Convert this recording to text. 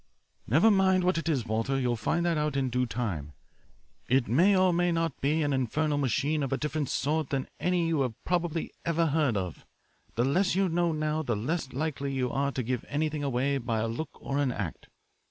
"Never mind what it is, Walter. You'll find that out in due time. It may or it may not be an infernal machine of a different sort than any you have probably ever heard of. The less you know now the less likely you are to give anything away by a look or an act.